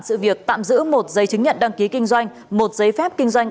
sự việc tạm giữ một giấy chứng nhận đăng ký kinh doanh một giấy phép kinh doanh